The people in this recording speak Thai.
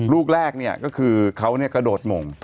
ลูกแรกก็คือเขากระโดดหม่ง